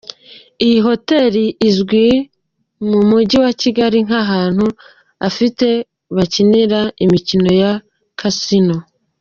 Iyi hotel izwi mu Mujyi wa Kigali nk’ahantu abifite bakinira imikino ya Casino.